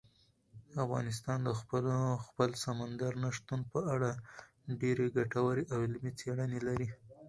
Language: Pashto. افغانستان د خپل سمندر نه شتون په اړه ډېرې ګټورې او علمي څېړنې لري.